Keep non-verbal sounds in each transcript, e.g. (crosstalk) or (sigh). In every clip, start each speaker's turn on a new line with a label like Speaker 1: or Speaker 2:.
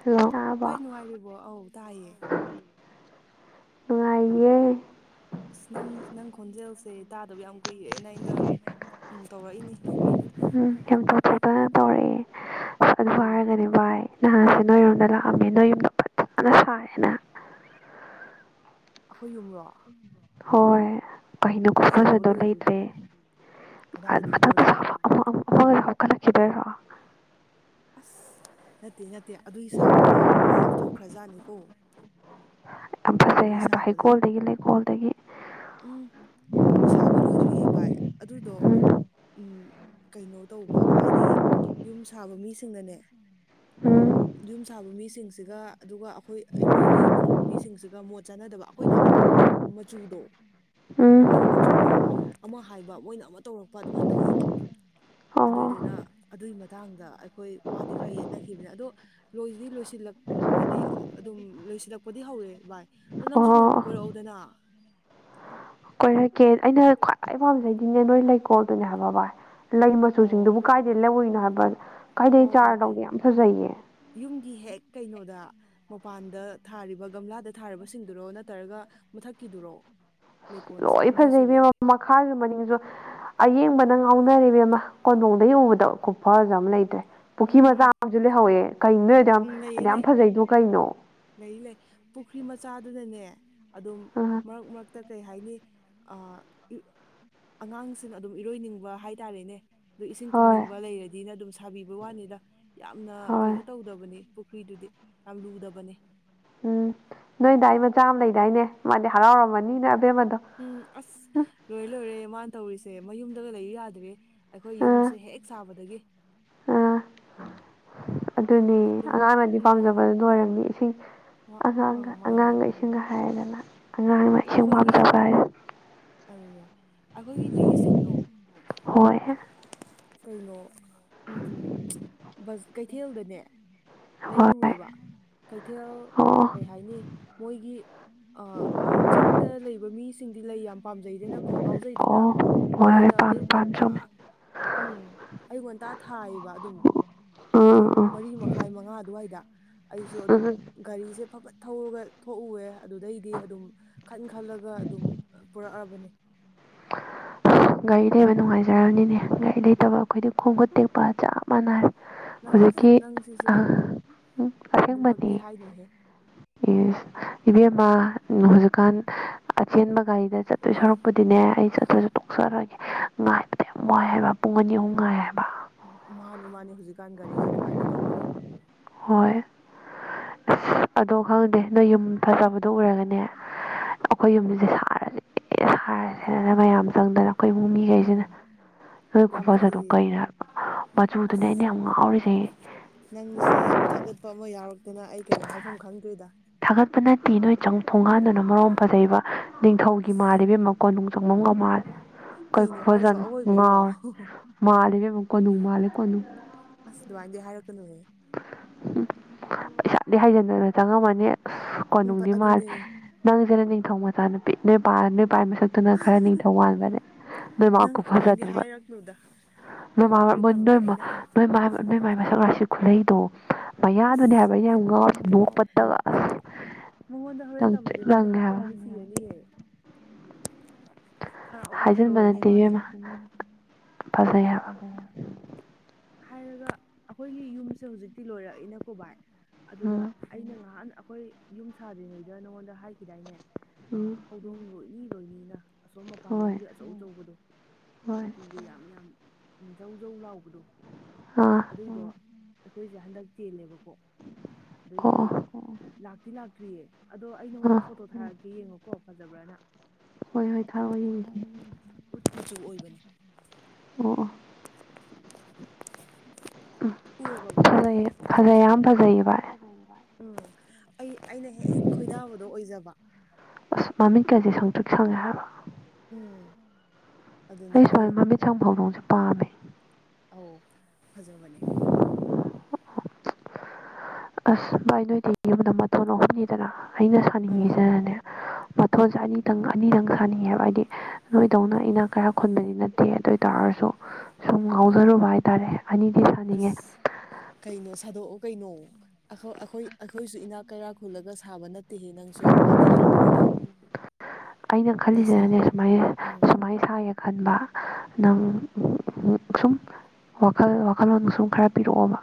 Speaker 1: hello
Speaker 2: ꯚꯥꯏ
Speaker 1: ꯇꯥꯔꯕꯣ
Speaker 2: ꯅꯨꯡꯉꯥꯏꯔꯤꯕꯣ ꯑꯧ ꯇꯥꯏꯌꯦ
Speaker 1: ꯅꯨꯡꯉꯥꯏꯦ
Speaker 2: ꯑꯁ ꯅꯪ ꯅꯪ ꯈꯣꯟꯖꯦꯜꯁꯦ ꯇꯥꯗꯕ ꯌꯥꯝ ꯀꯨꯏꯔꯦꯅ ꯑꯩꯅ ꯇꯧꯔꯛꯏꯅꯤ
Speaker 1: ꯊꯣꯛꯇꯅ ꯇꯧꯔꯛꯑꯦ ꯑꯗꯨ
Speaker 2: ꯑꯧ
Speaker 1: ꯍꯥꯏꯔꯒꯅꯤ ꯚꯥꯏ ꯅꯍꯥꯟꯥꯁꯦ ꯅꯣꯏ ꯌꯨꯝꯝꯗ ꯂꯥꯛꯑꯝꯃꯦ ꯅꯣꯏ ꯌꯨꯝꯗ ꯐꯖꯅ ꯁꯥꯏꯌꯦꯦꯅ
Speaker 2: ꯍꯣꯏꯌꯨꯡꯨꯔꯣ
Speaker 1: ꯍꯣꯏ ꯀꯩꯅꯣ ꯈꯨꯁꯨꯗꯣ
Speaker 2: ꯂꯣꯏꯗ꯭ꯔꯤꯕꯅꯤ
Speaker 1: ꯂꯩꯇ꯭ꯔꯦꯊ
Speaker 2: ꯀꯗꯥꯏꯗꯩꯅꯣꯗ
Speaker 1: ꯍꯣꯏ ꯍ ꯀꯅꯥ ꯈꯗꯣꯏ ꯔꯣ
Speaker 2: ꯑꯁ ꯅꯠꯇꯦ ꯅꯠꯇꯦ ꯑꯗꯨꯏ ꯁꯥꯕꯗꯣ ꯋꯥ ꯌꯥꯝ ꯊꯣꯛꯈ꯭ꯔꯖꯥꯠꯅꯤꯀꯣ
Speaker 1: ꯌꯥꯝ ꯐꯖꯩ
Speaker 2: ꯑꯗꯨꯏ
Speaker 1: ꯍꯥꯏꯕ
Speaker 2: ꯁꯥꯕꯗ
Speaker 1: ꯍꯩꯀꯣꯜꯗꯒꯤ ꯂꯩꯀꯣꯜꯗꯒꯤ
Speaker 2: ꯎꯝ ꯁꯥꯕ ꯂꯣꯏꯗ꯭ꯔꯤꯌꯦ ꯚꯥꯏ ꯑꯗꯨꯗꯣ
Speaker 1: ꯎꯝ
Speaker 2: ꯀꯩꯅꯣ ꯇꯧꯕ ꯍꯥꯏꯗꯤ ꯌꯨꯝ ꯁꯥꯕ ꯃꯤꯁꯤꯡꯅꯅꯦ
Speaker 1: ꯎꯝ
Speaker 2: (unintelligible) ꯌꯨꯝ ꯁꯥꯕ ꯃꯤꯁꯤꯡꯁꯤꯒ ꯑꯗꯨꯒ ꯑꯩꯈꯣꯏ ꯑꯩꯈꯣꯏꯒꯤ ꯏꯃꯨꯡ ꯃꯤꯁꯤꯡꯁꯤꯒ ꯃꯣꯠ ꯆꯥꯟꯅꯗꯕ ꯑꯩꯈꯣꯏꯅ ꯃꯆꯨꯗꯣ ꯑꯩꯈꯣꯏꯅ
Speaker 1: ꯎꯝ
Speaker 2: ꯃꯆꯨꯗꯣ ꯑꯃ ꯍꯥꯏꯕ ꯃꯣꯏꯅ ꯑꯃ ꯇꯧꯔꯛꯄ ꯑꯗꯨꯃꯥꯏꯅ ꯇꯧꯋꯦꯕ
Speaker 1: ꯑꯣ
Speaker 2: ꯑꯗꯨꯏꯗꯨꯅ ꯑꯗꯨꯏ ꯃꯇꯥꯡꯗ ꯑꯩꯈꯣꯏ ꯋꯥꯗꯤ ꯈꯔ ꯌꯦꯠꯅꯈꯤꯕꯅꯤ ꯑꯗꯣ ꯂꯣꯏꯁꯤꯗꯤ ꯂꯣꯏꯁꯤꯜꯂ ꯂꯛꯄꯗꯤ ꯑꯗꯨꯝ ꯂꯣꯏꯁꯤꯜꯂꯛꯄꯗꯤ ꯍꯧꯔꯦ ꯚꯥꯏ ꯑꯗ ꯅꯪꯁꯨ ꯅꯣꯡꯃ
Speaker 1: ꯑꯣ
Speaker 2: ꯀꯣꯏꯔꯛꯎꯗꯅ (unintelligible)
Speaker 1: ꯍꯥꯏꯔꯛꯀꯦ ꯑꯩꯅ ꯈ꯭ꯋꯥꯏ ꯄꯥꯝꯖꯩꯗꯤꯅꯦ ꯅꯣꯏ ꯂꯩꯀꯣꯜꯗꯨꯅꯦ ꯍꯥꯏꯕ ꯕꯥꯚꯏ ꯂꯩ
Speaker 2: ꯑꯣ
Speaker 1: ꯃꯆꯨꯁꯤꯡꯗꯨꯕꯨ ꯀꯥꯏꯗꯦ ꯂꯧꯔꯔꯤꯅꯣ ꯍꯥꯏꯕ ꯀꯥꯏꯗꯩ
Speaker 2: ꯑꯣ ꯑꯣ
Speaker 1: ꯆꯥꯔꯗꯧꯒꯦ ꯌꯥꯝ ꯐꯖꯩꯌꯦ
Speaker 2: ꯌꯨꯝꯒꯤ ꯍꯦꯛ ꯀꯩꯅꯣꯗ ꯃꯄꯥꯟꯗ ꯊꯥꯔꯤꯕ ꯒꯝꯂꯥꯗ ꯊꯥꯔꯤꯕꯁꯤꯡꯗꯨꯔꯣ ꯅꯠꯇ꯭ꯔꯒ ꯃꯨꯊꯛꯀꯤꯗꯨꯔꯣ
Speaker 1: ꯂꯣꯏ ꯐꯖꯩꯦꯝꯃ ꯃꯈꯥꯁꯨ ꯃꯅꯤꯡꯁꯨ ꯑꯌꯦꯡꯕ ꯅꯪ ꯉꯥꯎꯅꯔꯤꯕ ꯑꯃ ꯀꯣꯟꯗꯣꯡꯗꯒꯤ ꯎꯕꯗꯣ ꯈꯨꯐꯖ ꯑꯃ ꯂꯩꯇ꯭ꯔꯦ ꯄꯨꯈ꯭ꯔꯤ ꯃꯆꯥ
Speaker 2: ꯎꯝ
Speaker 1: ꯑꯃꯁꯨ ꯂꯩꯍꯧꯋꯦ ꯀꯩꯅꯣ ꯅꯣꯏ ꯌꯥꯝ
Speaker 2: ꯎꯝ ꯂꯩꯌꯦ
Speaker 1: ꯌꯥꯝ
Speaker 2: ꯂꯩ
Speaker 1: ꯐꯖꯩꯗꯣ ꯀꯩꯅꯣ
Speaker 2: ꯂꯩ ꯂꯩ ꯄꯨꯈ꯭ꯔꯤ ꯃꯆꯥꯗꯨꯅꯅꯦ ꯑꯗꯨꯝ
Speaker 1: ꯑ
Speaker 2: ꯃꯔꯛ ꯃꯔꯛꯇ ꯀꯩ ꯀꯩ ꯍꯥꯏꯅꯤ ꯑꯉꯥꯡꯁꯤꯅ ꯑꯗꯨꯝ ꯏꯔꯣꯏꯅꯤꯡꯕ ꯍꯥꯏꯇꯥꯔꯦꯅꯦ ꯑꯗꯨ ꯏꯁꯤꯡ
Speaker 1: ꯍꯣꯏ
Speaker 2: ꯀꯨꯝꯅꯤꯡꯕ ꯂꯩꯔꯗꯤꯅ ꯑꯗꯨꯝ ꯁꯥꯕꯤꯕ ꯋꯥꯅꯤꯗ ꯌꯥꯝꯅ
Speaker 1: ꯍꯣꯏ
Speaker 2: ꯀꯩꯅꯣ ꯇꯧꯗꯕꯅꯤ ꯐꯨ꯭ꯔꯤꯗꯨꯗꯤ ꯌꯥꯝ ꯂꯨꯗꯕꯅꯤ
Speaker 1: ꯎꯝ ꯅꯣꯏꯗꯗꯥꯏ ꯃꯆꯥ ꯑꯃ ꯂꯩꯗꯥꯏꯅꯦ ꯃꯥꯗꯤ ꯍꯔꯥꯎꯔꯝꯃꯅꯤꯅ
Speaker 2: ꯎꯝ ꯑꯁ ꯔꯣꯏ ꯂꯣꯏ ꯔꯦ ꯏꯃ ꯇꯧꯔꯤꯁꯦ ꯃꯌꯨꯝꯗꯒ ꯂꯩꯌ ꯌꯥꯗ꯭ꯔꯦ ꯑꯩꯈꯣꯏ ꯌꯨꯝꯁꯦ ꯍꯦꯛ ꯁꯥꯕꯗꯒꯤ
Speaker 1: ꯑꯥ ꯑꯗꯨꯅꯤ
Speaker 2: ꯑꯗꯨꯝ
Speaker 1: ꯑꯉꯥꯡꯅꯗꯤ
Speaker 2: ꯎꯝ
Speaker 1: ꯄꯥꯝꯖꯕ ꯑꯣꯏꯣꯏꯔꯝꯅꯤ ꯏꯁꯤꯡ
Speaker 2: ꯑꯥ
Speaker 1: ꯑꯉꯥꯡꯒ
Speaker 2: ꯃꯥꯅꯦ
Speaker 1: ꯑꯉꯥꯡꯒ ꯏꯁꯤꯡꯒ ꯍꯥꯏꯔꯗꯅ ꯑꯉꯥꯡꯅ ꯏꯁꯤꯡ
Speaker 2: ꯑꯩꯈꯣꯏꯒꯤ
Speaker 1: ꯄꯥꯝꯖꯕ ꯍꯥꯏ
Speaker 2: ꯑꯗꯨꯅꯦ ꯑꯩꯈꯣꯏꯒꯤ ꯂꯩꯁꯤꯡꯗꯣ
Speaker 1: ꯍꯣꯏ
Speaker 2: ꯀꯩꯅꯣ ꯎꯝ ꯀꯩꯊꯦꯜꯗꯅꯦ
Speaker 1: ꯍꯣꯏ
Speaker 2: ꯂꯩꯔꯨꯑꯦꯕ ꯀꯩꯊꯦꯜ
Speaker 1: ꯑꯣ
Speaker 2: ꯀꯩ ꯍꯥꯏꯅꯤ ꯃꯣꯏꯒꯤ ꯑꯥꯠ ꯆꯤꯡꯗ ꯂꯩꯕ ꯃꯤꯁꯤꯡꯗꯤ ꯂꯩ ꯌꯥꯝ ꯄꯥꯝꯖꯩꯗꯅꯀꯣ ꯉꯥꯎꯖꯩꯗꯅ
Speaker 1: ꯑꯣꯗꯤ
Speaker 2: ꯃꯣꯏꯅ
Speaker 1: ꯄ
Speaker 2: ꯑꯌꯨꯛ
Speaker 1: ꯄ
Speaker 2: ꯉꯟꯇꯥ
Speaker 1: ꯁ
Speaker 2: ꯎꯝ ꯑꯌꯨꯛ ꯉꯇꯥ ꯊꯥꯏꯌꯦꯕ ꯑꯗꯨꯝ ꯄꯨꯡ
Speaker 1: ꯑꯥ
Speaker 2: ꯃꯔꯤ ꯃꯈꯥꯏ ꯃꯉꯥ ꯑꯗꯨꯋꯥꯏꯗ ꯑꯩꯁꯨ
Speaker 1: ꯑꯥ
Speaker 2: ꯑꯗꯨꯝ
Speaker 1: ꯎꯝ
Speaker 2: ꯒꯥꯔꯤꯁꯦ ꯐꯐꯠ ꯊꯧꯔꯒ ꯊꯣꯛꯎꯋꯦ ꯑꯗꯨꯗꯩꯗꯤ ꯑꯗꯨꯝ ꯈꯟ ꯈꯜꯂꯒ ꯑꯗꯨꯝ ꯄꯨꯔꯛꯑꯕꯅꯤ
Speaker 1: ꯒꯥꯔꯤ ꯂꯩꯕ ꯅꯨꯡꯉꯥꯏꯖꯔꯕꯅꯤꯅꯦ ꯒꯥꯔꯤ ꯂꯩꯇꯕ ꯑꯩꯈꯣꯏꯗꯤ ꯈꯣꯡ ꯈꯨꯠ ꯇꯦꯛꯄ ꯆꯞ ꯃꯥꯟꯅ
Speaker 2: ꯅꯪꯁꯤꯁꯨ ꯑꯗꯨꯃꯛꯇꯤ ꯍꯥꯏꯅꯨꯍꯦ
Speaker 1: ꯑꯦ ꯏꯕꯦꯝꯃ ꯍꯧꯖꯤꯛꯀꯥꯟ ꯑꯆꯦꯟꯕ ꯒꯥꯔꯤꯗ ꯆꯠꯇꯣꯏ ꯁꯔꯛꯄꯗꯤꯅꯦ ꯑꯩ ꯆꯠꯊ ꯆꯠ ꯇꯣꯛꯆꯔꯒꯦ ꯉꯥꯏꯕꯗ ꯌꯥꯝ ꯋꯥꯏ ꯍꯥꯏꯕ ꯄꯨꯡ ꯑꯅꯤ ꯑꯍꯨꯝ ꯉꯥꯏ ꯍꯥꯏꯕ
Speaker 2: ꯖꯤꯀꯥꯟ ꯒꯥꯔꯤꯁꯦ ꯑꯗꯨꯃꯥꯏꯅꯗꯤ ꯇꯧꯕꯅꯤ
Speaker 1: ꯍꯣꯏ ꯑꯁ ꯑꯗꯣ ꯈꯪꯗꯦ ꯅꯣꯏ ꯌꯨꯝ ꯐꯖꯕꯗꯣ ꯎꯔꯒꯅꯦ ꯑꯩꯈꯣꯏ ꯌꯨꯝꯁꯤꯗꯤ ꯁꯥꯔꯗꯤ ꯑꯦ ꯁꯥꯔꯁꯦꯗꯅ ꯃꯌꯥꯝ ꯆꯪꯗꯅ ꯀꯩꯕꯨꯡ
Speaker 2: ꯎꯝ
Speaker 1: ꯃꯤꯈꯩꯁꯤꯅ ꯅꯣꯏ
Speaker 2: ꯌꯥꯝ
Speaker 1: ꯈꯨꯕꯁꯨ ꯑꯗꯨ
Speaker 2: ꯐꯩꯌꯦ
Speaker 1: ꯀꯩꯅ ꯃꯆꯨꯗꯨꯅꯦ
Speaker 2: ꯑꯁ
Speaker 1: ꯑꯩꯅ ꯌꯥꯝ ꯉꯥꯎꯔꯤꯁꯦ
Speaker 2: ꯅꯪꯁꯦ ꯌꯥꯝ ꯊꯥꯒꯠꯄ ꯑꯃ ꯌꯥꯎꯔꯛꯇꯅ ꯑꯩ ꯀꯩ ꯍꯥꯏꯐꯝ ꯈꯪꯗ꯭ꯔꯤꯗ
Speaker 1: ꯊꯥꯒꯠꯄ ꯅꯠꯇꯦ ꯅꯣꯏ ꯆꯪ ꯊꯣꯡꯒꯥꯟꯗꯨꯅ ꯃꯔꯣꯡ ꯐꯖꯩꯕ ꯅꯤꯡꯊꯧꯒꯤ
Speaker 2: ꯑꯁ
Speaker 1: ꯃꯥꯕꯤ ꯃꯀꯣꯟ ꯅꯨꯡ ꯆꯪꯉ ꯉ ꯃꯥꯂꯦ ꯀꯔꯤ
Speaker 2: ꯀꯩꯅꯣ ꯍꯥꯏꯔꯤꯁꯣ
Speaker 1: ꯐꯖꯠꯅꯣ
Speaker 2: ꯑꯋꯣꯏꯕꯩꯔꯣ
Speaker 1: ꯉꯥꯎꯔꯦ ꯃꯥꯜꯂꯤ ꯀ ꯀꯣꯅꯨꯡ ꯃꯥꯜꯂꯦ ꯀꯣꯅꯨꯡ
Speaker 2: ꯑꯁ ꯋꯥꯟꯖ ꯍꯥꯏꯔ ꯀ ꯅ ꯍꯦ
Speaker 1: ꯎ ꯄꯩꯁꯥꯗꯤ ꯍꯥꯏꯖꯤꯟꯗꯅ ꯆꯪꯉꯝꯃꯅꯤ
Speaker 2: ꯎꯝ
Speaker 1: ꯀꯣꯅꯨꯡꯗꯤ ꯃꯥꯜꯂꯦ
Speaker 2: ꯑꯗꯨꯅꯦ
Speaker 1: ꯅꯪꯁꯦꯅ ꯅꯤꯡꯊꯧ ꯃꯆꯥ ꯅꯨ ꯄꯤꯛ ꯅꯣꯏ ꯄꯥꯔꯅꯤ ꯎꯄꯥꯏ ꯃꯁꯛꯇꯨꯅ ꯈꯔ ꯅꯤꯡꯊꯧ ꯃꯥꯟꯕꯅꯦ ꯅꯣꯏ ꯃꯥ ꯀꯨ
Speaker 2: ꯅꯪ
Speaker 1: ꯐꯖ
Speaker 2: ꯑꯗꯨꯃꯥꯏꯅꯗꯤ
Speaker 1: ꯑꯗꯨꯒ
Speaker 2: ꯍꯥꯏꯔꯛꯅꯨꯗ ꯑꯩꯈꯣꯏ ꯕꯥ
Speaker 1: ꯅꯣꯏꯣꯏ
Speaker 2: ꯍꯣꯔꯦꯟ ꯇꯝꯒꯦ
Speaker 1: ꯅꯣꯏ
Speaker 2: ꯑꯩꯅ
Speaker 1: ꯅꯣꯏ ꯅꯣꯏ ꯃꯥꯏ ꯃꯁꯛ ꯉꯥꯛꯁꯤ ꯈꯨꯂꯩꯗꯣ ꯃꯌꯥꯗꯨꯅꯦ ꯍꯥꯏꯕ ꯑꯩ ꯌꯥꯝ ꯉꯥꯎꯁꯦ ꯅꯣꯛꯄ
Speaker 2: ꯍ ꯃꯉꯣꯟꯗ ꯍꯣꯔꯦꯟ
Speaker 1: ꯇ꯭ꯔꯤꯛ
Speaker 2: ꯇꯃꯗꯤ ꯃꯥꯗꯤ
Speaker 1: ꯂꯪꯉꯦ ꯍꯥꯏꯕ
Speaker 2: ꯍꯔꯥꯎꯕꯗ ꯁꯤꯒꯅꯤ ꯐꯔ ꯀꯅꯤ ꯂꯅꯤ
Speaker 1: ꯐꯖꯩꯕ
Speaker 2: ꯍꯥꯏꯔꯒ ꯑꯩꯈꯣꯏꯒꯤ ꯌꯨꯝꯁꯦ ꯍꯧꯖꯤꯛꯇꯤ ꯂꯣꯏꯔꯛꯏꯅꯀꯣ ꯚꯏ
Speaker 1: ꯑꯥ
Speaker 2: ꯑꯗꯨꯗ ꯑꯩꯅ ꯉꯍꯥꯟ ꯑꯩꯈꯣꯏ ꯌꯨꯝ ꯁꯥꯗ꯭ꯔꯤꯉꯩꯗ ꯅꯪꯉꯣꯟꯗ ꯍꯥꯏꯈꯤꯗꯥꯏꯅꯦ ꯑ
Speaker 1: ꯎꯝ
Speaker 2: ꯍꯧꯗꯣꯡꯕꯨ ꯑꯁꯣꯝ
Speaker 1: ꯍꯣꯏ
Speaker 2: ꯃꯄꯥꯟꯂꯣꯝꯒꯤ ꯑꯆꯧ ꯑꯆꯧꯕꯗꯣ
Speaker 1: ꯍꯣꯏ
Speaker 2: ꯃꯇꯨꯒ ꯌꯥꯝ ꯌꯥꯝ ꯏ ꯖꯧ ꯖꯧ ꯂꯥꯎꯕ
Speaker 1: ꯑꯥ
Speaker 2: ꯑꯗꯨꯏꯗꯣ ꯑꯩꯈꯣꯏꯁꯦ ꯍꯟꯗꯛ ꯆꯦꯜꯂꯦꯕꯀꯣ
Speaker 1: ꯑꯣ
Speaker 2: ꯑꯗꯨꯏꯗꯤ
Speaker 1: ꯑꯣ
Speaker 2: ꯂꯥꯛꯇꯤ ꯂꯥꯛꯇ꯭ꯔꯤꯌꯦ ꯑꯗꯣ ꯑꯩ ꯅꯉꯣꯟꯗ
Speaker 1: ꯑꯥ
Speaker 2: ꯐꯣꯇꯣ ꯊꯥꯔꯛꯒꯦ ꯌꯦꯡꯉꯣꯀꯣ ꯐꯖꯕ꯭ꯔꯅ
Speaker 1: ꯍꯣꯏ ꯍꯣꯏ ꯊꯥꯎꯑꯣ ꯌꯦꯡꯒꯤꯦ
Speaker 2: ꯈꯨꯠ ꯃꯆꯨ ꯑꯣꯏꯕꯅꯤ
Speaker 1: ꯑꯣ ꯎꯝ
Speaker 2: ꯎꯔꯕ ꯚꯥꯏ
Speaker 1: ꯐꯖꯩꯌꯦ ꯐꯖꯩ ꯌꯥꯝ
Speaker 2: ꯐꯖꯩ
Speaker 1: ꯐꯖꯩꯌꯦ
Speaker 2: ꯌꯥꯝ
Speaker 1: ꯚꯥꯏ
Speaker 2: ꯐꯖꯩꯌꯦ ꯚꯥꯏ ꯎꯝ ꯑꯩ ꯑꯩꯅ ꯍꯦꯛ ꯈꯣꯏꯗꯥꯕꯗꯣ ꯑꯣꯏꯖꯕ
Speaker 1: ꯀꯁꯦ ꯁꯪꯇ ꯁꯪꯉꯦ ꯍꯥꯏꯕ
Speaker 2: ꯎꯝ ꯑꯗꯨꯅꯦ
Speaker 1: ꯑꯩ ꯁꯨꯋꯥꯥꯏ
Speaker 2: ꯑꯗꯣ
Speaker 1: ꯃꯃꯤꯠ ꯁꯪ ꯐꯧꯗꯣꯡꯁꯨ ꯄꯥꯝꯃꯦ
Speaker 2: ꯑꯧ ꯐꯖꯕꯅꯦ
Speaker 1: ꯑꯁ ꯚꯥꯏ ꯅꯣꯏꯗꯤ ꯌꯨꯝꯗ ꯃꯇꯊꯣꯟꯅꯍꯤꯅꯤꯗꯅ ꯑꯩꯅ
Speaker 2: ꯑꯧ
Speaker 1: ꯁꯥꯅꯤꯡꯉꯁꯤꯅꯅꯦ ꯃꯊꯣꯟꯁꯦ
Speaker 2: ꯎꯝ
Speaker 1: ꯑꯅꯤꯗꯪ ꯑꯅꯤꯗꯪ ꯊꯥꯅꯤꯡꯉꯦꯕ ꯍꯥꯏꯗꯤ ꯅꯣꯏꯗꯧꯅ ꯏꯅꯥꯛ ꯀꯌꯥ ꯈꯨꯟꯕꯗꯤ ꯅꯠꯇꯦ ꯑꯗꯨ ꯑꯣꯏꯇꯥꯔꯁꯨ ꯁꯨꯝ ꯉꯥꯎꯖꯔꯨꯕ ꯔꯦ ꯑꯅꯤꯡꯉ
Speaker 2: ꯑꯁ ꯀꯩꯅꯣ ꯁꯥꯗꯣꯛꯑꯣ ꯀꯩꯅꯣ ꯑꯩꯈꯣꯏ ꯑꯩꯈꯣꯏꯁꯨ ꯏꯅꯥꯛ ꯀꯩꯔꯥꯛ ꯈꯨꯜꯂꯒ ꯁꯥꯕ ꯅꯠꯇꯦꯍꯦ ꯅꯪꯁꯨ ꯑꯗꯨꯃꯥꯏꯅꯗꯤ ꯍꯥꯏꯔꯛꯀꯅꯨꯍꯦ
Speaker 1: ꯑꯩꯅ
Speaker 2: ꯄꯩꯁꯥ
Speaker 1: ꯈꯜꯂꯤꯁꯤꯅꯅꯦ ꯁꯨꯃꯥꯏ
Speaker 2: ꯎꯝ
Speaker 1: ꯁꯨꯃꯥꯏꯅ ꯁ ꯈꯟꯕ ꯅꯪ ꯁꯨꯝ ꯋꯥꯈꯜ ꯋꯥꯈꯜꯂꯣꯟ ꯁꯨꯝ ꯈꯔ ꯄꯤꯔꯛꯑꯣꯕ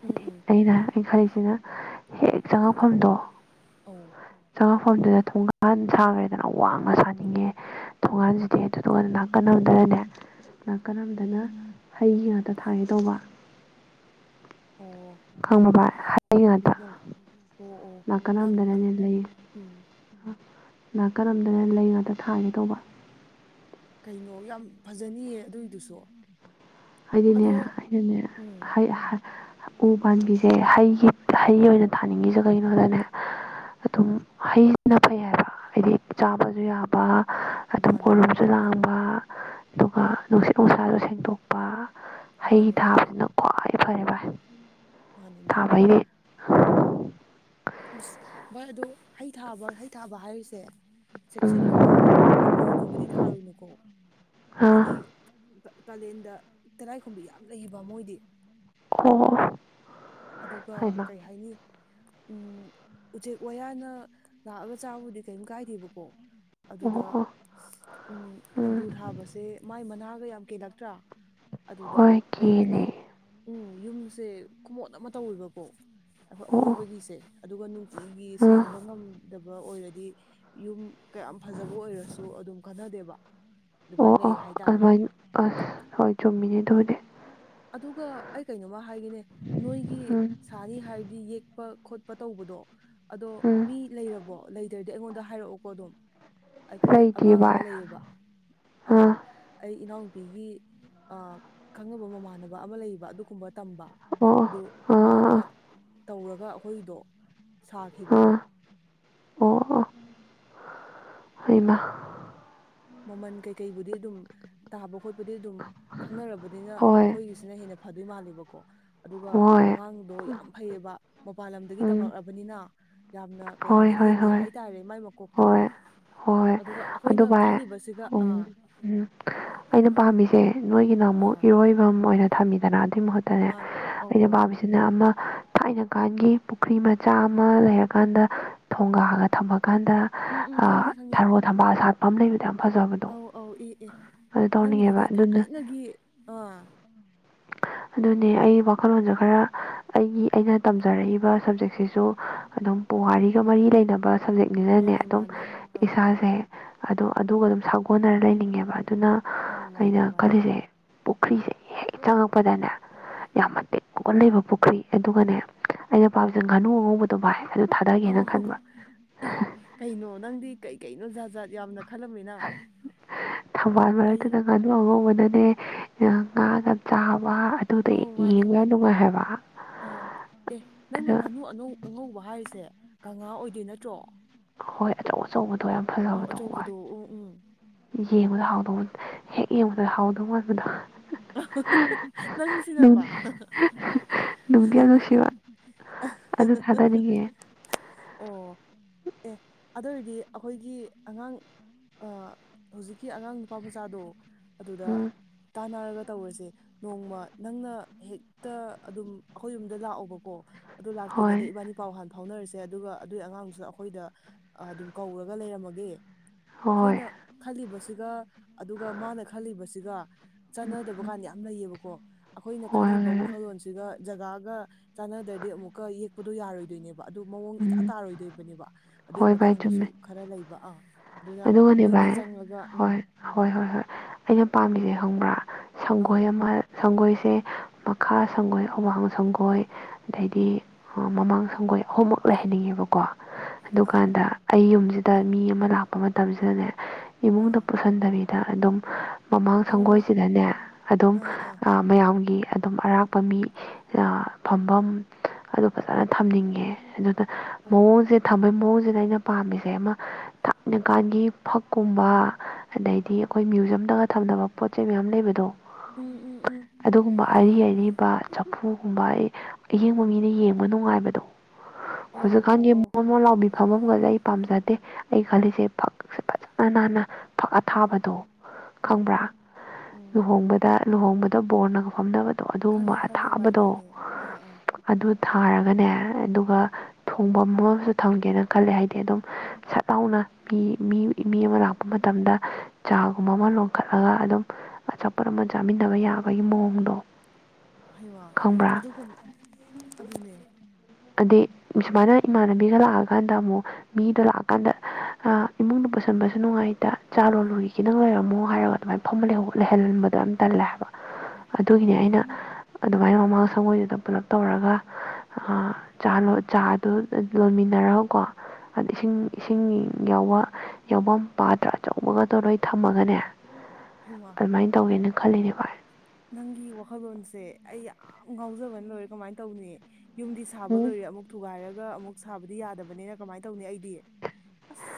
Speaker 2: ꯎꯝ
Speaker 1: ꯍꯥꯏꯗꯤ
Speaker 2: ꯎꯝ
Speaker 1: ꯑꯩꯅ ꯑꯩꯅ ꯈꯜꯂꯤꯁꯤꯅ ꯍꯦꯛ ꯆꯪꯉꯛꯐꯝꯗꯣ
Speaker 2: ꯎꯝ
Speaker 1: ꯐꯣꯟꯗꯨꯗ ꯊꯣꯡꯒꯥꯟ ꯁꯥꯡꯉꯦ ꯀꯅ ꯋꯥꯡꯅ ꯁꯥꯅꯤꯡꯉꯦ ꯊꯣꯡꯒꯥꯟꯁꯤꯗꯤ ꯑꯗꯨꯗꯨꯒ ꯅꯥ ꯀꯟꯅꯝꯗꯔꯅꯦ ꯅꯥ ꯀꯔꯝꯗꯅ ꯍꯩ ꯉꯥꯛꯇ ꯊꯥꯏꯒꯦ ꯇꯧꯕ
Speaker 2: (inaudible) ꯑꯣ
Speaker 1: ꯀꯪꯃꯕ
Speaker 2: ꯎꯝ
Speaker 1: ꯉꯗ
Speaker 2: ꯎꯝ ꯑꯣ ꯑꯣ ꯌꯥꯝ
Speaker 1: ꯂꯅꯥꯀꯅꯝꯗꯅꯅꯦ ꯂꯩꯌꯦ
Speaker 2: ꯎꯝ
Speaker 1: ꯅꯥꯀꯔꯝꯗꯅ ꯂꯩ ꯉꯥꯛꯇ ꯊꯥꯏꯒꯦ ꯇꯧꯕ
Speaker 2: ꯀꯩꯅꯣ ꯌꯥꯝ ꯐꯖꯅꯤꯌꯦ ꯑꯗꯨꯏꯗꯨꯁꯨ ꯑꯗꯣ
Speaker 1: ꯍꯥꯏꯗꯤꯅꯦꯦꯅꯦ
Speaker 2: ꯎꯝ
Speaker 1: ꯎ ꯄꯥꯝꯕꯤꯁꯦ ꯍꯩꯒꯤ ꯍꯩ ꯑꯣꯏꯅ ꯊꯥꯅꯤꯡꯉꯤꯁꯦ ꯀꯩꯅꯣꯗꯅꯦ ꯑꯗꯨꯝ ꯍꯩꯅ ꯐꯩ ꯍꯥꯏꯕ ꯍꯥꯏꯗꯤ ꯆꯥꯕꯁꯨ ꯌꯥꯕ ꯑꯗꯨꯝ
Speaker 2: ꯃꯥꯅꯦ
Speaker 1: ꯀꯂꯨꯝꯁꯨ ꯂꯥꯡꯕ ꯑꯗꯨꯒ ꯅꯨꯡꯁꯤꯠ ꯅꯨꯡꯁꯥꯁꯨ ꯁꯦꯡꯗꯣꯛꯄ ꯍꯩ
Speaker 2: ꯃꯥꯅꯦ
Speaker 1: ꯊꯥꯕꯁꯤꯅ ꯈ꯭ꯋꯥꯏ ꯐꯔꯦ ꯐꯚꯔꯥꯏ
Speaker 2: ꯃꯥꯅꯤ ꯃꯥꯅꯦ
Speaker 1: ꯍ
Speaker 2: ꯑꯁ ꯚꯣꯏ ꯑꯗꯨ ꯍꯩ ꯊꯥꯕ ꯍꯩ ꯊꯥꯕ ꯍꯥꯏꯔꯤꯁꯦ ꯆꯦꯛꯁꯤꯜꯂꯨꯀꯣ ꯑꯪꯒꯨꯔꯒꯨꯝꯕꯗꯤ
Speaker 1: ꯎꯝ
Speaker 2: ꯊꯥꯔꯨꯅꯨꯀꯣ
Speaker 1: ꯑꯥ
Speaker 2: ꯍꯥꯏꯗꯤ
Speaker 1: ꯑꯣ
Speaker 2: ꯀꯥꯂꯦꯟꯗ ꯇꯦꯔꯥꯏꯈꯨꯝꯕꯤ ꯌꯥꯝ ꯂꯩꯕ ꯃꯣꯏꯗꯤ
Speaker 1: ꯑꯣ
Speaker 2: ꯑꯗꯨꯒ
Speaker 1: ꯍꯩꯃꯥ
Speaker 2: ꯀꯩ ꯍꯥꯏꯅꯤ ꯎꯝ ꯎꯆꯦꯛ ꯋꯥꯌꯥꯅ ꯂꯥꯛꯑꯒ ꯆꯥꯕꯕꯨꯗꯤ ꯀꯔꯤꯝ ꯀꯥꯏꯗꯦꯕꯀꯣ
Speaker 1: ꯑꯣ
Speaker 2: ꯑꯗꯨꯗ
Speaker 1: ꯑꯣ
Speaker 2: ꯎꯝ ꯑꯪꯒꯨꯔ ꯊꯥꯕꯁꯦ ꯃꯥꯏ ꯃꯅꯥꯒ ꯌꯥꯝ ꯀꯦꯜꯂꯛꯇ꯭ꯔꯥ ꯑꯗꯨꯗ
Speaker 1: ꯍꯣꯏ
Speaker 2: ꯀꯩ
Speaker 1: ꯀꯦꯅꯦ
Speaker 2: ꯍꯥꯏꯅꯤ ꯎꯝ ꯌꯨꯝꯁꯦ ꯈꯨꯃꯣꯠ ꯑꯃ ꯇꯧꯋꯦꯕꯀꯣ ꯑꯩꯈꯣꯏ
Speaker 1: ꯑꯣ ꯑꯣ
Speaker 2: ꯑꯀꯣꯏꯕꯒꯤꯁꯦ ꯑꯗꯨꯒ ꯅꯨꯡꯇꯤꯒꯤ
Speaker 1: ꯑꯥ
Speaker 2: ꯁꯦꯡꯕ ꯉꯝꯗꯕ ꯐꯖꯕ ꯑꯣꯏꯔꯗꯤ ꯌꯨꯝ ꯀꯌꯥꯝ ꯐꯖꯕ ꯑꯣꯏꯔꯁꯨ ꯑꯗꯨꯝ ꯈꯟꯅꯗꯦꯕ
Speaker 1: ꯑꯣ ꯑꯣ ꯑꯗꯨꯃꯥꯏꯅ ꯑꯁ ꯍꯣꯏ ꯆꯨꯝꯃꯤꯅꯦ ꯑꯗꯨ ꯑꯣꯏꯗꯤ
Speaker 2: ꯑꯗꯨꯒ ꯑꯩ ꯀꯩꯅꯣꯝꯃ ꯍꯥꯏꯒꯅꯦ ꯅꯣꯏꯒꯤ
Speaker 1: ꯎꯝ
Speaker 2: ꯁꯥꯅꯤ ꯍꯥꯏꯔꯗꯤ ꯌꯦꯛ ꯆꯠꯄ ꯈꯣꯠꯄ ꯇꯧꯕꯗꯣ ꯑꯗꯣ
Speaker 1: ꯎꯝ
Speaker 2: ꯃꯤ ꯂꯩꯔꯕꯣ ꯂꯩꯇ꯭ꯔꯗꯤ ꯑꯩꯉꯣꯟꯗ ꯍꯥꯏꯔꯛꯑꯣꯀꯣ ꯑꯗꯨꯝ ꯑꯩꯈꯣꯏ
Speaker 1: ꯂꯩꯇꯦ
Speaker 2: ꯑꯉꯥꯡ ꯑꯃ
Speaker 1: ꯚꯥꯏ
Speaker 2: ꯂꯩꯌꯦꯕ ꯑꯥ ꯑꯩ ꯏꯅꯥꯎ ꯅꯨꯄꯤꯒꯤ ꯈꯪꯅꯕ ꯃꯃꯥꯟꯅꯕ ꯑꯃ ꯂꯩꯕ ꯑꯗꯨꯒꯨꯝꯕ ꯇꯝꯕ
Speaker 1: ꯑꯣ ꯑꯣ
Speaker 2: ꯑꯗꯨ ꯃꯥꯅ
Speaker 1: ꯑꯥ ꯑꯥ
Speaker 2: ꯇꯧꯔꯒ ꯑꯩꯈꯣꯏꯗꯣ ꯁꯥꯈꯤꯕꯅꯤ
Speaker 1: ꯑꯥ ꯑꯣ ꯑ ꯍꯃ
Speaker 2: ꯃꯃꯟ ꯀꯩꯀꯩꯕꯨꯗꯤ ꯑꯗꯨꯝ ꯇꯥꯕ ꯈꯣꯠꯄꯗꯤ ꯑꯗꯨꯝ ꯈꯪꯅꯔꯕꯅꯤꯅ
Speaker 1: ꯍꯣꯏ
Speaker 2: ꯑꯩꯈꯣꯏꯒꯤꯁꯤꯅ ꯍꯦꯟꯅ ꯐꯗꯣꯏ ꯃꯥꯂꯦꯕꯀꯣ ꯑꯗꯨꯒ
Speaker 1: ꯍꯣꯏ
Speaker 2: ꯑꯉꯥꯡꯗꯣ ꯌꯥꯝ ꯐꯩꯌꯦꯕ ꯃꯄꯥꯟ ꯂꯝꯗꯒꯤ
Speaker 1: ꯎꯝ
Speaker 2: ꯇꯝꯂꯛꯂꯕꯅꯤꯅ ꯌꯥꯝꯅ ꯀꯩ
Speaker 1: ꯍꯣꯏ
Speaker 2: ꯍꯥꯏꯅꯤ
Speaker 1: ꯍꯣꯏ
Speaker 2: ꯂꯤꯡꯉꯤ
Speaker 1: ꯍꯣꯏ
Speaker 2: ꯍꯥꯏꯇꯥꯔꯦ ꯃꯥꯏ ꯃꯀꯣꯛꯇꯣ
Speaker 1: ꯍꯣꯏ ꯍꯣꯏ
Speaker 2: ꯑꯗꯨꯒ
Speaker 1: ꯑꯗꯨ
Speaker 2: ꯑꯩꯈꯣꯏꯅ
Speaker 1: ꯚꯥꯏ
Speaker 2: ꯈꯜꯂꯤꯕꯁꯤꯒ ꯑꯥ
Speaker 1: ꯎꯝ ꯎꯝ ꯑꯩꯅ ꯄꯥꯝꯃꯤꯁꯦ ꯅꯣꯏꯒꯤꯅ ꯑꯃꯨꯛ
Speaker 2: ꯑꯥ
Speaker 1: ꯏꯔꯣꯏꯐꯝ ꯑꯣꯏꯅ ꯊꯝꯃꯤꯗꯅ ꯑꯗꯨꯏ ꯃꯍꯨꯠꯇꯅꯦ
Speaker 2: ꯃꯥꯟ ꯑꯧ
Speaker 1: ꯑꯩꯅ
Speaker 2: ꯑꯧ
Speaker 1: ꯄꯥꯝꯃꯤꯕꯁꯤꯅ ꯑꯃ ꯊꯥꯏꯅ ꯀꯥꯟꯒꯤ ꯄꯨꯈ꯭ꯔꯤ ꯃꯆꯥ ꯑꯃ ꯂꯩꯔꯀꯥꯟꯗ ꯊꯣꯡꯒꯥꯒ ꯊꯝꯃ ꯀꯥꯟ
Speaker 2: ꯎꯝ ꯎꯝ ꯈꯪꯉꯦ ꯈꯪꯉꯦ
Speaker 1: ꯊꯔꯣ ꯊꯝꯕꯥꯜ ꯁꯥꯠ ꯂꯩ
Speaker 2: ꯑꯧ ꯑꯧ ꯑꯦ ꯑꯦ
Speaker 1: ꯑꯗꯨ ꯇꯧꯅꯤꯡꯉꯦꯕ
Speaker 2: ꯅꯪꯗꯨꯗꯤ
Speaker 1: ꯑꯗꯨꯅ
Speaker 2: ꯊꯥꯏꯅꯒꯤ ꯑꯥ
Speaker 1: ꯑꯗꯨꯅꯦ ꯑꯩ ꯋꯥꯈꯜꯂꯣꯟꯁꯨ ꯈꯔ ꯑꯩꯒꯤ ꯑꯩꯅ ꯇꯝꯖꯔꯛꯏꯕ ꯁꯕꯖꯦꯛꯁꯤꯁꯨ ꯑꯗꯨꯝ ꯄꯨꯋꯥꯔꯤꯒ ꯃꯔꯤ ꯂꯩꯅꯕ ꯁꯕꯖꯦꯛꯅꯤꯅꯅꯦ
Speaker 2: ꯃꯥꯅꯦ
Speaker 1: ꯑꯗꯨꯝ
Speaker 2: ꯃꯥꯅꯦ ꯑꯥ
Speaker 1: ꯏꯁꯥꯁꯦ ꯑꯗꯨ ꯑꯗꯨꯒ ꯑꯗꯨꯝ ꯁꯥꯒꯣꯟꯅꯔ ꯂꯩꯅꯤꯡꯉꯦꯕ ꯑꯗꯨꯅ
Speaker 2: ꯑꯧ ꯃꯥꯅꯦ
Speaker 1: ꯑꯩꯅ
Speaker 2: ꯃꯥꯅꯦ
Speaker 1: ꯈꯜꯂꯤꯁꯦ ꯄꯨꯈ꯭ꯔꯤꯁꯦ ꯍꯦꯛ ꯆꯪꯉꯛꯄꯗꯅꯦ ꯌꯥꯝ ꯃꯇꯦꯛ ꯀꯨꯅ ꯂꯩꯕ ꯄꯨꯈ꯭ꯔꯤ ꯑꯗꯨꯒꯅꯦ ꯑꯩꯅ ꯄꯥꯝꯁꯦ ꯉꯥꯅꯨ ꯑꯉꯧꯕꯗꯣ ꯚꯥꯏ ꯑꯗꯨ ꯊꯥꯗꯒꯦꯅ
Speaker 2: ꯑꯧ
Speaker 1: ꯈꯟꯕ
Speaker 2: ꯑꯦ ꯀꯩꯅꯣ ꯅꯪꯗꯤ ꯀꯩ ꯀꯩꯅꯣ ꯖꯥꯠ ꯖꯥꯠ ꯌꯥꯝꯅ ꯈꯜꯂꯝꯃꯤꯅ
Speaker 1: ꯊꯝꯕꯥꯜ
Speaker 2: ꯑꯩ
Speaker 1: ꯃꯔꯛꯇꯨꯗ ꯉꯥꯅꯨ ꯑꯃꯧꯕꯅꯅꯦ ꯉꯥꯒ ꯆꯥꯕ ꯋꯥ ꯑꯗꯨꯗ
Speaker 2: ꯑꯧ ꯃꯥꯅꯦ
Speaker 1: ꯌꯦꯡꯕ ꯌꯥꯝ
Speaker 2: ꯃꯥꯅꯦ
Speaker 1: ꯅꯨꯡꯉꯥꯏ ꯍꯥꯏꯕ
Speaker 2: ꯑꯥ ꯑꯦ ꯅꯪꯅ
Speaker 1: ꯑꯗꯨꯅ
Speaker 2: ꯉꯥꯅꯨ ꯑꯅꯧ ꯑꯉꯧꯕ ꯍꯥꯏꯔꯤꯁꯦ ꯉꯉꯥ ꯑꯣꯏꯗꯣꯏ ꯅꯠꯇ꯭ꯔꯣ
Speaker 1: ꯍꯣꯏ ꯑꯆꯧ ꯑꯆꯧꯕ
Speaker 2: ꯑ ꯑꯆꯧꯕꯗꯣ ꯎꯝ ꯎꯝ
Speaker 1: ꯌꯦꯡꯕꯗ ꯍꯥꯎꯗꯧꯕ ꯍꯦꯛ ꯌꯦꯡꯕꯗ ꯍꯥꯎꯗꯧ ꯃꯥꯟꯕꯗꯣ
Speaker 2: ꯅꯪꯁꯤꯅꯦꯕ
Speaker 1: ꯅꯨꯡꯗꯤꯌꯥ ꯅꯨꯡꯁꯤꯕ ꯑꯗꯨ ꯊꯥꯗꯅꯤꯡꯉꯦ
Speaker 2: ꯑꯣ ꯑꯦ ꯑꯗꯨ ꯑꯣꯏꯔꯗꯤ ꯑꯩꯈꯣꯏꯒꯤ ꯑꯉꯥꯡ ꯍꯧꯖꯤꯛꯀꯤ ꯑꯉꯥꯡ ꯅꯨꯄꯥ ꯃꯆꯥꯗꯣ ꯑꯗꯨꯗ
Speaker 1: ꯎꯝ
Speaker 2: ꯇꯥꯟꯅꯔꯒ ꯇꯧꯔꯁꯦ ꯅꯣꯡꯃ ꯅꯪꯅ ꯍꯦꯛꯇ ꯑꯗꯨꯝ ꯑꯩꯈꯣꯏ ꯌꯨꯝꯗ ꯂꯥꯛꯑꯣꯕꯀꯣ ꯑꯗꯨ ꯂꯥꯛꯇ꯭ꯔꯤꯉꯩꯗ
Speaker 1: ꯍꯣꯏ
Speaker 2: ꯏꯕꯥꯅꯤ ꯄꯥꯎ ꯍꯥꯟ ꯐꯥꯎꯅꯔꯁꯤ ꯁꯦ ꯑꯗꯨꯒ ꯑꯗꯨꯏ ꯑꯉꯥꯡꯗꯨꯁꯨ ꯑꯩꯈꯣꯏꯗ ꯑꯗꯨꯝ ꯀꯧꯔꯒ ꯂꯩꯔꯝꯃꯒꯦ
Speaker 1: ꯍꯣꯏ
Speaker 2: ꯑꯩꯈꯣꯏꯅ ꯈꯜꯂꯤꯕꯁꯤꯒ ꯑꯗꯨꯒ ꯃꯥꯅ ꯈꯜꯂꯤꯕꯁꯤꯒ
Speaker 1: ꯍꯣꯏ
Speaker 2: ꯆꯥꯟꯅꯗꯕ ꯀꯥꯟꯗ ꯌꯥꯝ ꯂꯩꯌꯦꯕꯀꯣ ꯑꯩꯈꯣꯏꯅ
Speaker 1: ꯍꯣꯏ
Speaker 2: ꯈꯜꯂꯤꯕ
Speaker 1: ꯍꯣꯏ ꯍꯣꯏ
Speaker 2: ꯋꯥꯈꯜꯂꯣꯟꯁꯤꯒ ꯖꯒꯥꯒ ꯆꯥꯟꯅꯗ꯭ꯔꯗꯤ ꯑꯃꯨꯛꯀ ꯌꯦꯛꯄꯗꯣ ꯌꯥꯔꯣꯏꯗꯣꯏꯅꯦꯕ ꯑꯗꯨ ꯃꯑꯣꯡ ꯏꯇꯥ
Speaker 1: ꯎꯝ
Speaker 2: ꯇꯥꯔꯣꯏꯗꯣꯏꯕꯅꯦꯕ ꯑꯗꯨꯏ
Speaker 1: ꯍꯣꯏ ꯚꯥꯏ
Speaker 2: ꯃꯇꯥꯡꯗꯨꯁꯨ
Speaker 1: ꯆꯨꯝꯃꯦ
Speaker 2: ꯈꯔ ꯂꯩꯕ ꯑꯥ ꯑꯗꯨꯅ
Speaker 1: ꯑꯗꯨꯒꯅꯦ
Speaker 2: ꯅꯣꯏꯅꯤ
Speaker 1: ꯚꯥꯏ
Speaker 2: ꯆꯪꯂꯒ
Speaker 1: ꯍꯣꯏ
Speaker 2: ꯎꯝ
Speaker 1: ꯍꯣꯏ ꯍꯣꯏ ꯍꯣꯏ ꯑꯩꯅ ꯄꯥꯝꯃꯤꯁꯦ ꯈꯪꯕ꯭ꯔꯥ ꯁꯪꯒꯣꯏ
Speaker 2: ꯑꯧ
Speaker 1: ꯑꯃ ꯁꯪꯒꯣꯏꯁ ꯁꯦ ꯃꯈꯥ ꯁꯪꯒꯣꯏ ꯑꯋꯥꯡ ꯁꯪꯒꯣꯏ ꯑꯗꯩꯗꯤ ꯃꯃꯥꯡ ꯁꯪꯒꯣꯏ ꯑꯍꯨꯝꯃꯛ ꯂꯩꯍꯟꯅꯤꯡꯉꯦꯕꯀꯣ
Speaker 2: ꯑꯥ
Speaker 1: ꯑꯗꯨꯀꯥꯟꯗ ꯑꯩ ꯌꯨꯝꯁꯤꯗ ꯃꯤ ꯑꯃ ꯂꯥꯛꯄ ꯃꯇꯝꯁꯤꯗꯅꯦ ꯏꯃꯨꯡꯗ
Speaker 2: ꯑꯥ
Speaker 1: ꯄꯨꯁꯤꯟꯗꯕꯤꯗ ꯑꯗꯨꯝ ꯃꯃꯥꯡ
Speaker 2: ꯑꯣ
Speaker 1: ꯁꯪꯒꯣꯏꯁꯤꯗꯅꯦ ꯑꯗꯨꯝ
Speaker 2: ꯑꯥ ꯑꯥ
Speaker 1: ꯃꯌꯥꯝꯒꯤ ꯑꯗꯨꯝ ꯑꯔꯥꯞꯄ ꯃꯤ ꯐꯝꯐꯝ ꯑꯗꯨ ꯐꯖꯅ ꯊꯝꯅꯤꯡꯉꯦ ꯑꯗꯨꯗ
Speaker 2: ꯑꯣ
Speaker 1: ꯃꯑꯣꯡꯁꯦ ꯊꯝꯕꯩ ꯃꯑꯣꯡꯁꯤꯅ ꯑꯩꯅ ꯄꯥꯝꯃꯤꯁꯦ ꯑꯃ ꯀꯥꯟꯒꯤ ꯐꯛꯀꯨꯝꯕ ꯑꯗꯩꯗꯤ ꯑꯩꯈꯣꯏ ꯃ꯭ꯌꯨꯖꯝꯗꯒ ꯊꯝꯅꯕ ꯄꯣꯠ ꯆꯩ ꯃꯌꯥꯝ ꯂꯩꯕꯗꯣ
Speaker 2: ꯎꯝ ꯎꯝ ꯎꯝ
Speaker 1: ꯑꯗꯨꯒꯨꯝꯕ ꯑꯔꯤ ꯑꯔꯤꯕ ꯆꯐꯨꯒꯨꯝꯕ ꯑꯩ ꯑꯌꯡꯕ ꯃꯤꯅ ꯌꯦꯡꯕ ꯅꯨꯡꯉꯥꯏꯕꯗꯣ
Speaker 2: ꯑꯧ
Speaker 1: ꯍꯧꯖꯤꯛꯀꯥꯟ
Speaker 2: ꯑꯧ
Speaker 1: ꯌꯦ ꯃ
Speaker 2: ꯑꯧ
Speaker 1: ꯑꯃ ꯂꯥꯎꯕꯤꯐꯝꯝꯃꯒꯁꯦ ꯑꯩ ꯄꯥꯝꯖꯗꯦ ꯑꯩ ꯈꯜꯂꯤꯁꯦ ꯐꯛꯁꯦ ꯐꯖꯅ ꯅꯥꯟꯅ ꯐꯛ
Speaker 2: ꯎꯝ
Speaker 1: ꯑꯊꯥꯕꯗꯣ
Speaker 2: ꯎꯝ
Speaker 1: ꯈꯪꯕ꯭ꯔꯥ
Speaker 2: ꯎꯝ
Speaker 1: ꯂꯨꯍꯣꯡꯕꯗ ꯂꯨꯍꯣꯡꯕꯗ ꯕꯣꯔꯅꯒ ꯐꯝꯅꯕ
Speaker 2: ꯈꯪꯉꯤ ꯈꯪꯉꯤ ꯚꯥꯏ ꯈꯪꯉꯤ ꯑꯥ ꯑꯥ
Speaker 1: ꯑꯗꯨ ꯊꯥꯔꯒꯅꯦ ꯑꯗꯨꯒ ꯊꯣꯡꯕꯝ ꯑꯃꯁꯨ ꯊꯝꯒꯦꯅ ꯈꯜꯂꯦ ꯍꯥꯏꯗꯤ ꯑꯗꯨꯝ ꯂꯥꯎꯅ ꯃꯤ ꯃꯤ ꯃꯤ ꯑꯃ ꯂꯥꯛꯄ ꯃꯇꯝꯗ ꯆꯥꯒꯨꯝꯕ ꯑꯃ ꯂꯣꯟꯈꯠꯂꯒ ꯑꯗꯨꯝ ꯑꯆꯥꯛꯄꯣꯠ ꯑꯃ ꯆꯥꯃꯤꯟꯅꯕ ꯌꯥꯕꯒꯤ ꯃꯑꯣꯡꯗꯣ
Speaker 2: ꯍꯩ ꯃꯥ
Speaker 1: ꯈꯪꯕ꯭ꯔꯥ
Speaker 2: ꯑꯗꯨꯒꯨꯝ ꯑꯗꯨꯅꯦ
Speaker 1: ꯑꯗꯩ ꯁꯨꯃꯥꯏꯅ ꯏꯃꯥꯟꯅꯕꯤꯒ ꯂꯥꯛꯑꯀꯥꯟꯗ ꯑꯃꯨꯛ ꯃꯤꯗ ꯂꯥꯛꯑꯀꯥꯟꯗ ꯑꯥ ꯏꯃꯨꯡꯗ ꯄꯨꯁꯟꯕꯁꯨ ꯅꯨꯡꯉꯥꯏꯇ ꯆꯥ ꯂꯣꯂꯨꯒꯤ ꯈꯤꯇꯪ ꯂꯩꯔꯝꯃꯣ ꯍꯥꯏꯔꯒ ꯑꯗꯨꯃꯥꯏꯅ ꯐ ꯂꯩꯍꯜꯟꯕꯗ ꯑꯗꯨꯝ ꯇꯜꯂꯦ ꯍꯥꯏꯕ ꯑꯗꯨꯒꯤꯅꯦ
Speaker 2: ꯑꯣ
Speaker 1: ꯑꯩꯅ ꯑꯗꯨꯃꯥꯏꯅ ꯃꯃꯥꯡ ꯁꯪꯒꯣꯏꯗꯨꯗ ꯄꯨꯂꯞ ꯇꯧꯔꯒ ꯆꯥ ꯂꯣꯟ ꯆꯥꯗꯣ ꯂꯣꯟꯃꯤꯟꯅꯔꯒꯀꯣ ꯑꯗ ꯏꯁꯤꯡ ꯏꯁꯤꯡ ꯌꯥꯎꯕ ꯌꯥꯎꯐꯝ ꯄꯥꯗ꯭ꯔ ꯑꯆꯧꯕꯒꯗꯣ ꯂꯣꯏ ꯊꯝꯃꯒꯅꯦ
Speaker 2: ꯍꯩꯃ
Speaker 1: ꯑꯗꯨꯃꯥꯏꯅ ꯇꯧꯒꯦꯅ ꯈꯜꯂꯤꯅꯦ ꯚꯥꯏ
Speaker 2: ꯅꯪꯒꯤ ꯋꯥꯈꯜꯂꯣꯟꯁꯦ ꯑꯩ ꯌꯥꯝ ꯉꯥꯎꯖꯕꯅ ꯂꯣꯏꯔꯦ ꯀꯃꯥꯏꯅ ꯇꯧꯅꯤ ꯌꯨꯝꯗꯤ ꯁꯥꯕ
Speaker 1: ꯎꯝ
Speaker 2: ꯂꯣꯏꯔꯦ ꯑꯃꯨꯛ ꯊꯨꯒꯥꯏꯔꯒ ꯑꯃꯨꯛ ꯁꯥꯕꯗꯤ ꯌꯥꯗꯕꯅꯤꯅ ꯀꯃꯥꯏꯅ ꯇꯧꯅꯤ ꯑꯩꯗꯤ ꯑꯁ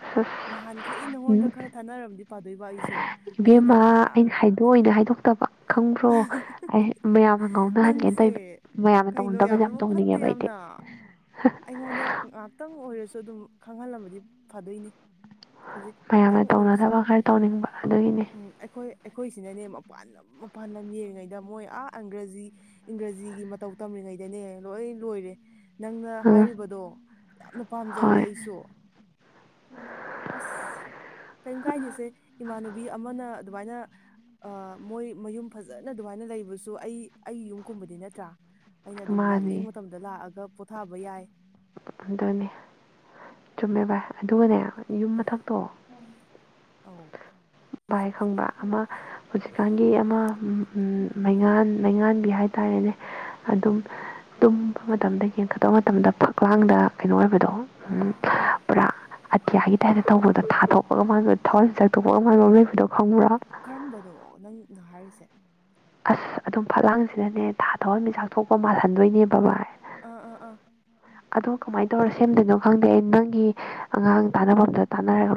Speaker 1: ꯑꯁ
Speaker 2: ꯅꯍꯥꯟꯈꯩ
Speaker 1: ꯎꯝ
Speaker 2: ꯅꯉꯣꯟꯗ ꯈꯔ ꯊꯥꯅꯔꯝꯗꯤ ꯄꯥꯗꯣꯏꯕ ꯑꯩꯁꯨ ꯑꯩꯅ
Speaker 1: ꯏꯕꯦꯝꯃ
Speaker 2: ꯑꯥ
Speaker 1: ꯑꯩꯅ ꯍꯥꯏꯗꯣꯛꯑꯣꯏꯅ ꯍꯥꯏꯗꯣꯛꯇꯕ ꯈꯪꯕ꯭ꯔꯣ ꯑꯩ ꯍꯥ ꯃꯌꯥꯝꯅ ꯉꯥꯎꯅꯍꯟꯒꯦꯅ ꯇꯧꯕ
Speaker 2: ꯅꯪꯁꯦ
Speaker 1: ꯃꯌꯥꯝꯅ
Speaker 2: ꯀꯩꯅꯣ
Speaker 1: ꯇꯧꯅꯗꯕꯁꯦ ꯌꯥꯝ
Speaker 2: ꯌꯥꯝꯅꯃꯛ ꯐꯠꯇꯦ
Speaker 1: ꯇꯧꯅꯤꯡꯉꯦꯕ ꯑꯩꯗꯤ
Speaker 2: ꯌꯥꯝꯅ ꯑꯩꯉꯣꯟꯗ ꯉꯍꯥꯛꯇꯪ ꯑꯣꯏꯔꯁꯨ ꯑꯗꯨꯝ ꯈꯪꯍꯜꯂꯝꯕꯗꯤ ꯐꯗꯣꯏꯅꯤ
Speaker 1: ꯃꯌꯥꯝꯅ
Speaker 2: ꯈꯖꯤꯛꯇꯪ ꯑꯣꯏꯔꯁꯨ
Speaker 1: ꯇꯧꯅꯗꯕ ꯈꯔ ꯇꯧꯅꯤꯡꯕ ꯑꯗꯨꯒꯤꯅꯤ
Speaker 2: ꯎꯝ ꯑꯩꯈꯣꯏ ꯑꯩꯈꯣꯏꯁꯤꯅꯅꯦ ꯃꯄꯥꯟ ꯑꯝꯃꯣꯛ ꯄꯥꯟꯕꯝ ꯌꯦꯡꯉꯤꯉꯩꯗ ꯃꯣꯏ ꯑꯥ ꯑꯪꯒ꯭ꯔꯖꯤ ꯏꯪꯒ꯭ꯔꯖꯤꯒꯤ ꯃꯇꯧ ꯇꯝꯔꯤꯉꯩꯗꯅꯦ ꯂꯣꯏ ꯂꯣꯏꯔꯦ ꯅꯪꯅ
Speaker 1: ꯑ
Speaker 2: ꯍꯥꯏꯔꯤꯕꯗꯣ ꯌꯥꯝꯅ ꯄꯥꯝꯖꯔꯦ
Speaker 1: ꯍꯣꯏ
Speaker 2: ꯑꯩꯁꯨ ꯑꯁ ꯀꯩꯝ ꯀꯥꯏꯗꯦꯁꯦ ꯏꯃꯥꯟꯅꯕ ꯑꯃꯅ ꯑꯗꯨꯃꯥꯏꯅ ꯑ ꯃꯣꯏ ꯃꯌꯨꯝ ꯐꯖꯅ ꯑꯗꯨꯃꯥꯏꯅ ꯂꯩꯕꯁꯨ ꯑꯩ ꯑꯩꯒꯤ ꯌꯨꯝꯒꯨꯝꯕꯗꯤ ꯅꯠꯇ꯭ꯔꯥ ꯑꯩꯅ ꯑꯗꯨꯝ
Speaker 1: ꯃꯥꯅꯦ
Speaker 2: ꯂꯥꯛꯅꯤꯡꯕ ꯃꯇꯝꯗ ꯂꯥꯛꯑꯒ ꯄꯣꯊꯥꯕ ꯌꯥꯏ
Speaker 1: ꯑꯗꯨꯅꯦ ꯆꯨꯝꯃꯦ ꯚꯥꯏ ꯑꯗꯨꯒꯅꯦ ꯌꯨꯝ ꯃꯊꯛꯇꯣ
Speaker 2: ꯑꯧ
Speaker 1: ꯚꯥꯏ ꯈꯪꯕ꯭ꯔ ꯑꯃ ꯍꯧꯖꯤꯛꯀꯥꯟꯒꯤ ꯑꯃ ꯃꯩꯉꯥꯟ ꯂꯩꯉꯥꯟꯕꯤ ꯍꯥꯏꯇꯥꯔꯦꯅꯦ ꯑꯗꯨꯝ ꯇꯨꯝꯕ ꯃꯇꯝꯗ ꯌꯦꯡꯈꯠꯗꯕ ꯃꯇꯝꯗ ꯀꯋꯥꯥꯡꯗ ꯀꯩꯅꯣ ꯑꯣꯏꯕꯗꯣ ꯄꯨꯔꯥ ꯑꯇꯤꯌꯥꯒꯤ ꯇꯥꯏꯞꯇ ꯇꯧꯕꯗꯣ ꯊꯥꯗꯣꯛꯄꯒ ꯃ ꯊꯋꯥ ꯆꯊꯣꯛꯄꯒꯕꯗꯣ
Speaker 2: ꯀꯔꯝꯕꯅꯣ ꯅꯪꯅ ꯍꯥꯏꯔꯤꯁꯦ
Speaker 1: ꯑꯁ ꯑꯗꯨꯝ ꯐꯠꯂꯥꯡꯁꯤꯗꯅꯦ ꯊꯥ ꯊꯧꯍꯟꯃꯤ ꯆꯥꯛꯊ ꯊꯣꯛꯄ ꯃꯥꯜꯂꯦ
Speaker 2: ꯑꯣꯍꯣ ꯑꯣ ꯑꯥ ꯑꯥ ꯑꯥ
Speaker 1: ꯑꯗꯣ ꯀꯃꯥꯏꯅ ꯇꯧꯔ ꯁꯦꯝꯗꯣꯏꯅꯣ ꯈꯪꯗꯦ ꯑꯩ ꯅꯪꯒꯤ ꯑꯉꯥꯡ ꯇꯥꯟꯅꯐꯝꯗ ꯇꯥꯟꯅꯔꯣꯏ